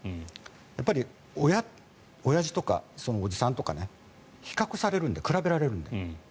やっぱりおやじとかおじさんとか比較されるので比べられるので。